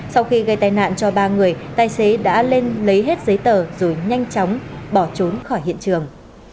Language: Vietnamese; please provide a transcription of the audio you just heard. sau khi gây tai nạn cho ba người tài xế đã lên lấy hết giấy tờ rồi nhanh chóng bỏ trốn khỏi hiện trường